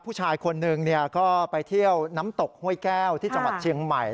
ผู้ชายคนหนึ่งก็ไปเที่ยวน้ำตกห้วยแก้วที่จังหวัดเชียงใหม่